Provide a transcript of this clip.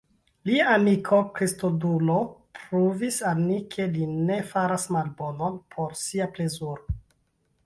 Lia amiko Kristodulo pruvis al ni, ke li ne faras malbonon por sia plezuro.